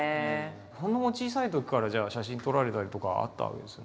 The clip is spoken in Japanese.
そのお小さいときからじゃあ写真撮られたりとかあったわけですね。